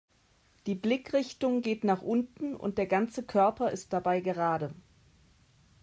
Die Blickrichtung geht nach unten und der ganze Körper ist dabei gerade.